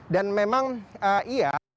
dan memang iya